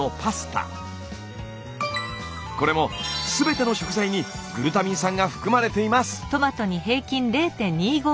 これも全ての食材にグルタミン酸が含まれています！